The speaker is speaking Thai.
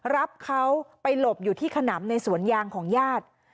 รับเขาไปหลบอยู่ที่ขนำในสวนยางของญาติ